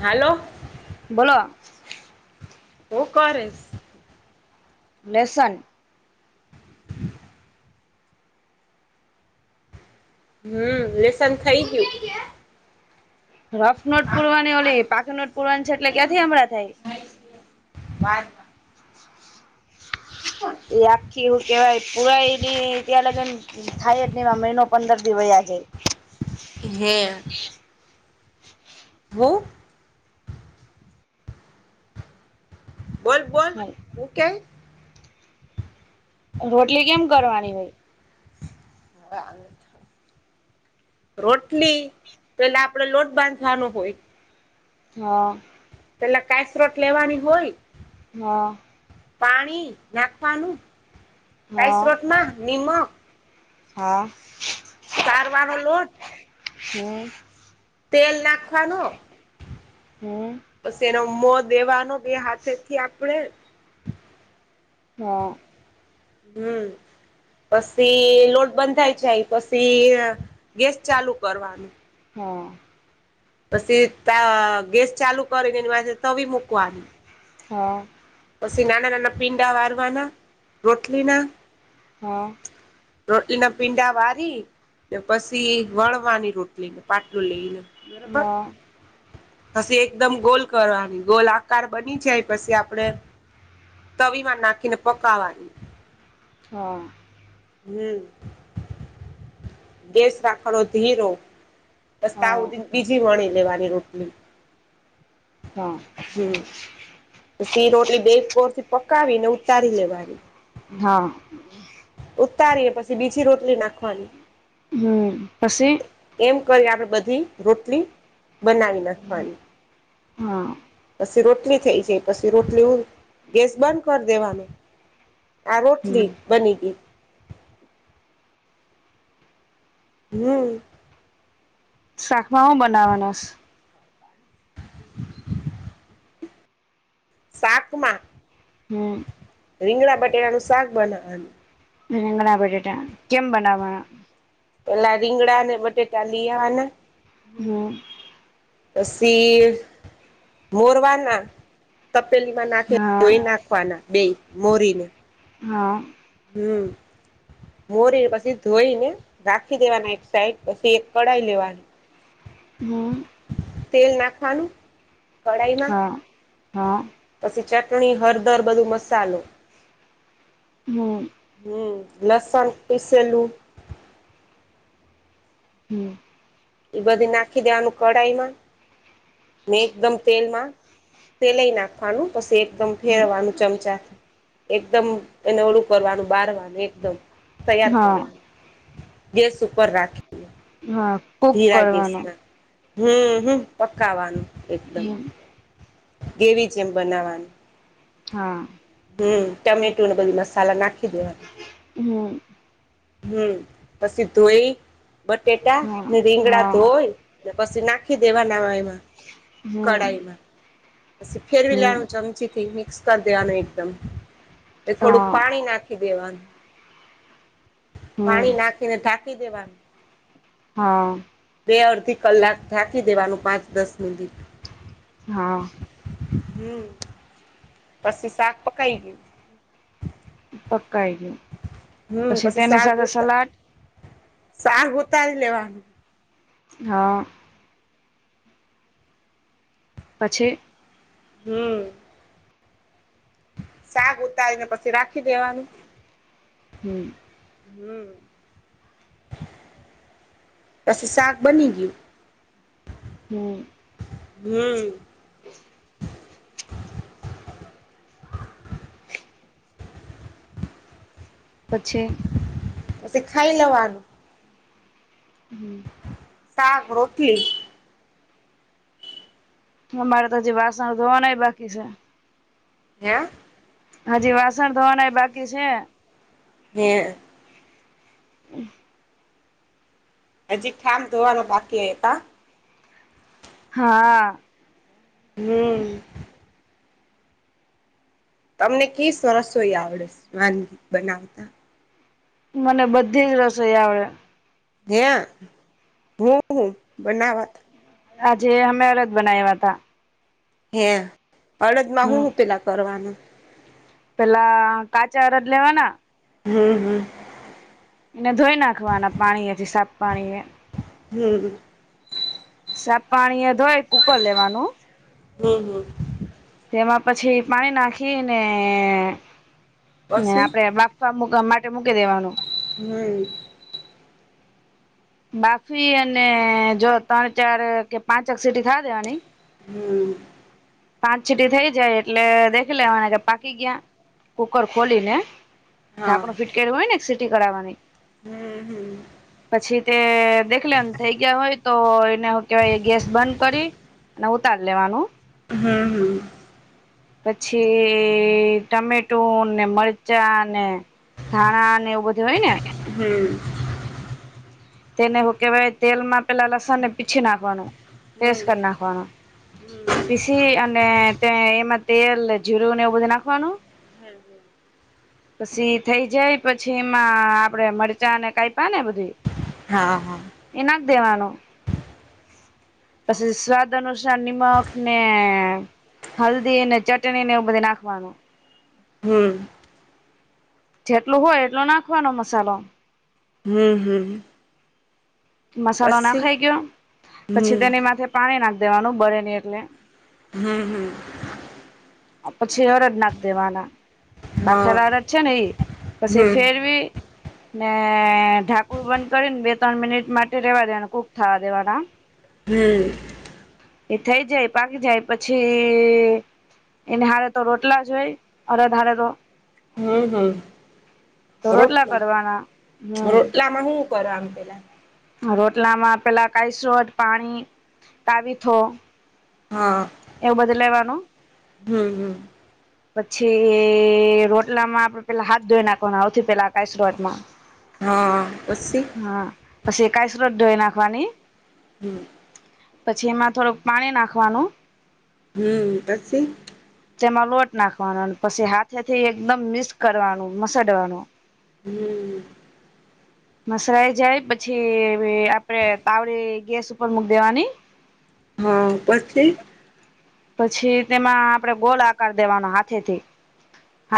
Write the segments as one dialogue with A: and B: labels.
A: હાલો
B: બોલો?
A: હું કરેસ?
B: લેસન
A: હમ લેસન થઇ ગયું.
B: રફ નોટ પુરવાની ઓલી પાખી નોટ પુરવાની છે એટલે ક્યાંથી હમળા થાય.
A: [unintelligible]
B: [inaudible]
A: [inaudible]
B: એ આખી એવું કેવાય પુરાય ત્યાં લગન. થાય જ નહી એમાં મહિનો પંદર દી વયા જાય.
A: હે. [unintelligible] બોલ બોલ
B: જાય
A: હું કેય?
B: રોટલી કેમ કરવાની હોઈ?
A: [unintelligible] રોટલી પેલા આપડે લોટ બાંધવાનો હોય.
B: હા
A: એટલે કાયસ્રોટ લેવાની હોય.
B: હા
A: પાણી નાખવાનું કાઈ
B: હા
A: સ્ત્રોત માં નિમક.
B: હા
A: સારવાનો લોટ.
B: હમ
A: તેલ નાખવાનો
B: હમ
A: પછી એનો મો દેવાનો બે હાથેથી આપડે
B: હા
A: હમ પછી લોટ બંધાય જાય પછી, ગેસ ચાલુ કરવાનું.
B: હા
A: પછી ગેસ ચાલુ કરીને એ મા તવી મુકવાની.
B: હા
A: પછી નાના નાના પીંડા વારવાના રોટલી ના,
B: હ
A: રોટલીના પિંડા વારી. ને પછી વણવાની રોટલી પાટલું લઈ ને,
B: હા
A: [unintelligible] પછી એકદમ ગોલ કરવાની ગોલ આકાર બની જાય. પછી આપણે તવીમાં નાખીને પકાવાની.
B: હા
A: હમ. ગેસ રાખવાનો ધીરો બસ તા
B: હા
A: હુધી બીજી વણી લેવાની રોટલી.
B: હા
A: હમ પસી રોટલી બે કોરથી પકાવીને ઉતારી લેવાની.
B: હા
A: ઉતારીને પછી બીજી રોટલી નાખવાની.
B: હમ પછી?
A: એમ કરીને આપણે બધી રોટલી બનાવી નાખવાની.
B: હા
A: પસ રોટલી થઈ જાય પછી રોટલી ઉન ગેસ બંધ કર દેવાનો. આ રોટલી
B: હમ
A: બની ગઈ. હમ.
B: શાકમાં હું બનાવવાનું સ?
A: શાકમાં?
B: હમ
A: રીંગળા બટેટાનું શાક બનાવવાનું.
B: રીંગણા બટેટા. કેમ બનાવાના?
A: પેલા રીંગડાને બટેટા લીયાવાના.
B: હમ
A: પસી મોરવાના. તપેલીમાં નાખે
B: હા
A: ધોઈ નાખવાના બેય મોરીને.
B: હા
A: હમ મોરીને પછી ધોઈને રાખી દેવાના એક સાઈડ. પછી એક કઢાઈ લેવાની. [inaudible]
B: હમ.
A: તેલ નાખવાનું કઢાઈમાં.
B: હા હા
A: પછી ચટણી, હરદર, બધું મસાલો.
B: હમ
A: હમ લસન પીસેલું
B: હમ.
A: એ બધી નાખી દેવાનું કઢાઈમાં. ને એકદમ તેલમાં તેલય નાખવાનું પછી એકદમ
B: હમ
A: ફેરવાનું. ચમચા એકદમ એને ઓલુ કરવાનું બારવાનું એકદમ તૈયાર
B: હા
A: કરવાનું. ગેસ ઉપર રાખે.
B: હા. કુક
A: ધીરા
B: કરવાનું
A: ગેસમાં. હમ હમ પકાવાનું. એકદમ
B: હમ.
A: ગ્રેવી જેમ બનાવાનું.
B: હા.
A: હમ ટમેટુને બધું મસાલા નાખી દેવાના.
B: હમ.
A: હમ પછી ધોય,
B: હા
A: બટેટાને રીંગડા
B: હા
A: ધોય. ને પછી નાખી દેવાના વાયમાં.
B: હમ
A: કઢાઈમાં, પછી ફેરવી
B: હમ
A: લેવાનું ચમચીથી મિક્સ કરી દેવાનું એકદમ. એ થોડુંક
B: હા
A: પાણી નાખી દેવાનું.
B: હમ
A: પાણી નાખીને ઢા કી દેવાનું.
B: હા.
A: બે અડધી કલાક ઢાકી દેવાનું પાંચ દસ મિનિટ.
B: હા.
A: હમ્મ. પછી શાક પકાઈ ગયું.
B: પકાઈ ગયું
A: હમ
B: પછી તેની
A: શાક
B: સાથે
A: ઉતા
B: સલાડ
A: શાક ઉતારી લેવાનું.
B: હા. પછી?
A: હમ્મ. શાક ઉતારી ને પછી રાખી દેવાનું.
B: હમ્મ.
A: હમ્મ. પછી શાક બની ગયું.
B: હમ્મ.
A: હમ્મ.
B: [unintelligible] પછી?
A: પછી ખાઈ લેવાનું.
B: હમ્મ.
A: શાક રોટલી
B: અમારે તો હજી વાસણ ધોવાનાય બાકી છે.
A: હે?
B: હજી વાસણ ધોવાના એ બાકી છે.
A: હે. હજી ઠામ ધોવાનું બાકી હોય, કા?
B: હા.
A: હમ્મ. તમને કી સરસોઈ આવડે સ વાનગી બનાવતા?
B: મને બધી જ રસોઈ આવડે.
A: હે, હું બનાવાત.
B: આજે અમે અડદ બનાયવા તા.
A: હે, અડદ માં હું
B: હમ
A: હું પેલા કરવાનું?
B: પેલા કાચા અડદ લેવાના.
A: હમ્મ, હમ્મ.
B: એને ધોઈ નાખવાના પાણી એથી સાફ પાણી એ.
A: હમ્મ.
B: સાફ પાણી એ થી ધોઈ કુકર લેવાનું.
A: હમ્મ, હમ્મ.
B: તેમાં પછી પાણી નાખી ને ને
A: હમ
B: આપણે બાફ બફુગા માટે મૂકી દેવાનું.
A: હમ્મ.
B: બાફી અને જો ત્રણ ચાર કે પાંચક સીટી થવા દેવાની.
A: હમ્મ.
B: પાંચ સીટી થઈ જાય એટલે દેખી લેવાને કે પાકી ગયા કુકર ખોલી ને. ઢાંકણું ફીટ કર્યું હોય ને સિટી કરાવવાની.
A: હમ્મ હમ્મ.
B: પછી તે દેખ લેવાનું થઈ ગયા હોય એને હું કેવાય ગેસ બંધ કરી ને ઉતાર લેવાનું.
A: હમ્મ હમ્મ.
B: પછી ટમેટું ને મરચાં ને ધાણા ને એવું બ કેવાય ને
A: હમ્મ.
B: તેને હું કેહેવાય તેલમાં પેલા લસણ ને પીછી નાખવાનું. પેસ્ટ કર
A: હમ
B: નાખવાનુ
A: હમ
B: પીસ તી અને તે એમાં તેલ ને જીરું ને એવું બધું નાખવાનું
A: [unintelligible]
B: પછી થઈ જાય પછી એમાં આપડે મરચાંને કાઈપા ને બધી
A: હા.
B: એ નાખ દેવાનો. પછી સ્વાદ અનુસાર નિમક ને હલ્દી અને ચટણી ને એવું બધું નાખવાનું.
A: હમ્મ.
B: જેટલું હોય એટલો નાખવાનો મસાલો.
A: હમ્મ, હમ્મ.
B: મસાલો નાખાઈ ગયો પછી
A: હમ
B: તેની માથે પાણી નાખ દેવાનું બળે ની એટલે.
A: હમ્મ હમ્મ.
B: પછી અરદ નાખ દેવાના.
A: હા
B: બફેલા અરદ છે ને ઈ પછી
A: હમ
B: ફેરવી ને ઢાંકણું બંધ કરીને બે ત્રણ મિનિટ માટે રેવા દેવાને કૂક થવા દેવાના.
A: હમ્મ.
B: એ થઈ જાય પાકી જાય પછી એને હારે તો રોટલા જો હોય અરે ધારે તો
A: હમ્મ હમ્મ
B: તો
A: રોટલા,
B: કરવાના હમ
A: રોટલામાં હું કરો આમ પેલા
B: રોટલામાં પેલા કાયસટ પાણી તાવીથો
A: હા.
B: એવું બધું લેવાનું.
A: હમ્મ હમ્મ.
B: પછી રોટલામાં આપડે પેલા હાથ ધોઈ નાખવા આવથી પેલા કાયશઆત માં
A: હા, પસી?
B: હા પછી કાઇસોત ધોઈ નાખવાની.
A: હમ્મ.
B: પછી એમાં થોડુંક પાણી નાખવાનું.
A: હમ્મ પછી?
B: તેમાં લોટ નાખવાનો પછી હાથેથી એકદમ મિક્સ કરવાનું મસાડવાનું.
A: હમ્મ.
B: મસરાઈ જાય પછી આપડે તાવડી ગેસ ઉપર મૂક દેવાની
A: હા, પછી?
B: પછી તેમાં આપડે ગોલ આકાર દેવાનો હાથે થી.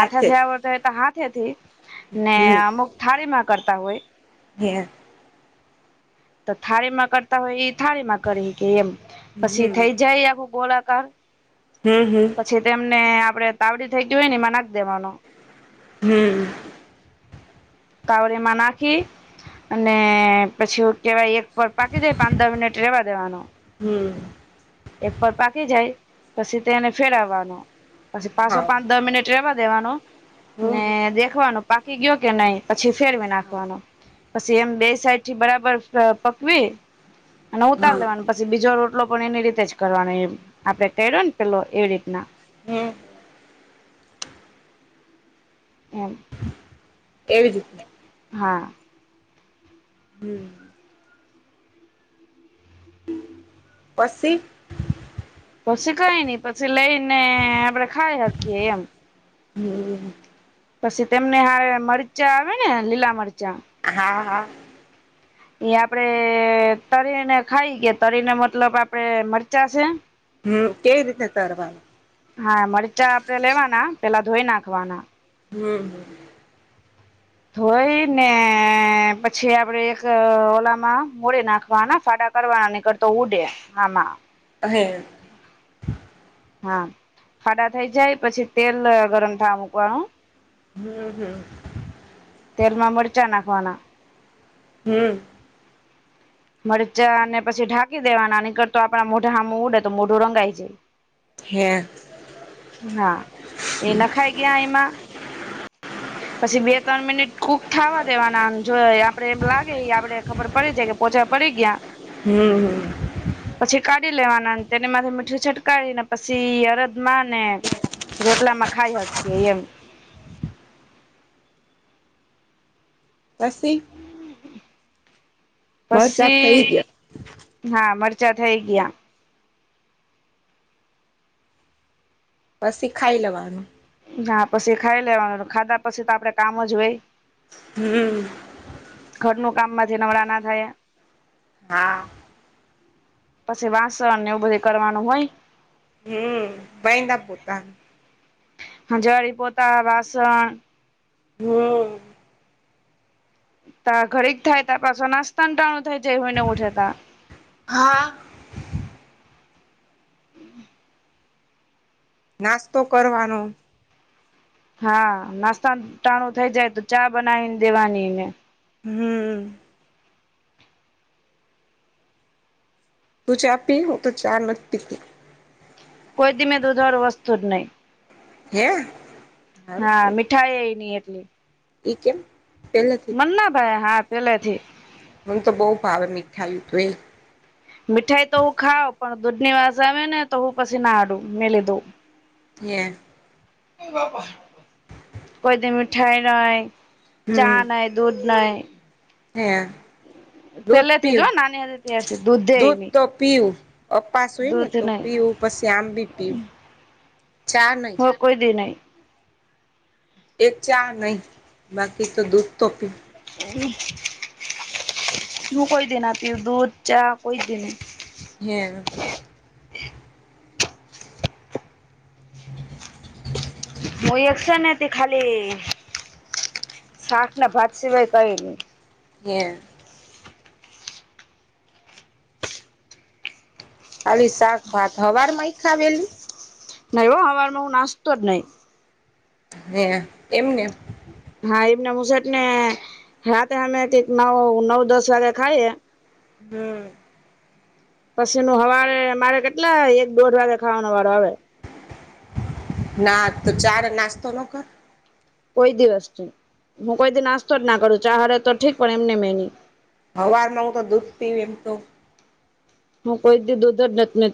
A: હાથે
B: આવડતા હોય તો હાથેથી ને
A: હમ
B: અમુક થાળીમાં કરતા હોય.
A: [unintelligible]
B: તો થાળીમાં કરતા હોય એ થાળીમાં કરી હકે એમ પછી
A: હમ
B: થઈ જાય આખું ગોળાકાર
A: હમ હમ
B: પછી તેમને આપડે તાવડી થઈ ગી હોય ને એમાં નાખ દેવાનો.
A: હમ હમ
B: તાવરીમા નાખી અને પછી હું કેવાય એક પર પાકી દે પાંંદ દ મિનિટ રેવા દેવાનો.
A: હમ
B: એક પર પાકી જાય પછી તેને ફેરવાનો. પછી પાસો
A: હા
B: પાંચ દ મિનિટ રહેેવા દેવાનો ને
A: હમ
B: દેખવાનું પાકી ગયો કે નહીં. પછી ફેરવી નાખવાનો. પછી એમ બે સાઈડથી બરાબર પકવી. અને
A: હા
B: ઉતાર લેવાનો પછી બીજો રોટલો પણ એની રીતે જ કરવાનો એમ આપડે કર્યો ને પેલો એવી રીતના.
A: હમ.
B: એમ.
A: એવી રીતના.
B: હા.
A: હમ. પસી?
B: પછી કઇ નહીં પછી લઈને આપડે ખાઈ હકીએ એમ.
A: હમ.
B: પછી તેમને હારે મરચાં આવે ને લીલા મરચાં?
A: હા હા.
B: એ આપણેે તળીને ખાઈ કે તરી ને મતલબ આપડે મરચાં છે.
A: હમ કેવી રીતે તરવાના?
B: હા મરચા આપડે લેવાના. પેલા ધોઈ નાખવાના.
A: હમ હમ.
B: ધોઈને પછી આપડે એક ઓલામાં મોડી નાખવાના ફાડા કરવાના નીકર તો ઉડે આમાં.
A: એમ.
B: હા ફાડા થઈ જાય પછી તેલ ગરમ થાવા મૂકવાનું.
A: હમ હમ.
B: તેલમાં મરચા નાખવાના.
A: હમ.
B: મરચાને પછી ઢાંકી દેવાના નીકર તો આપણા મોઢા હામુ ઉડે તો મોઢું રંગાઈ જાય.
A: હે?
B: હા એ નખાઈ ગયા એમાં
A: [unintelligible]
B: પછી બે ત્રણ મિનિટ કુક થવા દેવાના. અને જો આપડે એમ લાગે એ આપડે ખબર પડી જાય કે પોચા પડી ગયા.
A: હમ હમ.
B: પછી કાઢી લેવાના ને તેને માથે મીઠું છટકાવીને પછી અરદમાં ને ને રોટલામાં ખાઈ હકીએ એમ.
A: પસી?
B: [inaudible]
A: મરચાં થઈ
B: પસી
A: ગયા
B: હા, મરચા થઈ ગીયા.
A: પસી ખાઈ લેવાનું.
B: હા, પસી ખાઈ લેવાનુ. ખાધા પસી તો, આપડે કામ જ ઓય.
A: હમ્મ.
B: ઘરનુ કામમાંથી નવરા ના થયા.
A: આ.
B: પસી વાસણને એવુ બધ કરવાનુ હોંય.
A: હમ્મ, બાંયધા પોતા.
B: હંઝાળી, પોતા, વાસણ...
A: હમ્મ.
B: તા ઘડીક થાય તા પાસો નાસ્તા‌ન ટામ થઈ જાય, હુઈ ને ઉઠે તા.
A: હા.
B: [inaudible]
A: નાસ્તો કરવાનો.
B: હા, નાસ્તાન ટાણું થઈ જાય તો, ચા બનાવીન દેવાની ને.
A: અમ્મહ. હમ્મ. તું ચા પી? હુતો ચા નથ પીતી.
B: કોઈ ધીમે દૂધવારુ વસ્તુ જ નઈ.
A: હે!
B: હા, મીઠાઈ એ નઈ એટલી.
A: ઈ કેમ? પેલેથી
B: મન્ના ભાવે. હા, પેલે થી.
A: મન તો બો ભાવે મીઠાયું તું એ.
B: મીઠાઈ તો હુ ખાાવ પણ દૂધ ની વાસ આવે ને તો, હું પસી નાડું ની લીધુ.
A: ક્યેં?
B: [unintelligible] કોઈ દિ મિઠાઈ ના ઓઈ,
A: હમ
B: ચા નઈ. દૂધ નઈ.
A: હે દૂધ
B: પેલે થી જ ઓ,
A: પીવું
B: નાની અતી ત્યારથી દૂધેય
A: દૂધ
B: નઈ.
A: તો પીવું અપાસ ઓય ને, તો પીવું પસી આંબી પીવું. ચા ન
B: ઓ કોય દિ નઈ.
A: એક ચા નઈ, બાકી તો દૂધ તો પી
B: હું કોઈ દિ ના પીવ દૂધ, ચા કોઈ દિ નઈ.
A: ગેવ.
B: હુંય એક સે ને તી ખાલી સાક ને ભાત સિવાય કઈની.
A: ગેં. અલી, સાક-ભાત હવારમાંય ખાવેલી.
B: નયવો હવાર નું નાસતો જ નઈ.
A: હે, એમને.
B: હા, એમને મુસેટ ને હાતે અમે ટેક નવ, નવ-દસ વાગે ખાઈએ.
A: હમ્મ.
B: પસી નું હવારે મારે કેટલા એક-દોઢ વાગે ખાવાનો વારો આવે.
A: ના, તો ચાર નાસ્તો નોકર.
B: કોઈ દિવસ ની. હું કોઈ દિ નાસ્તો જ ના કરુ, ચા હારે તો ઠીક પણ એમને મેં ની.
A: હવારનું ઉ તો દૂધ પીવ એમ તો.
B: હું કોઈ ભી દો દો દત નેત